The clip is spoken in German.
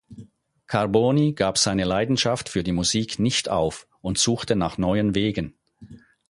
Carboni gab seine Leidenschaft für die Musik nicht auf und suchte nach neuen Wegen.